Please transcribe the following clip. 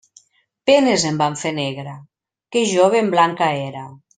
Penes em van fer negra, que jo ben blanca era.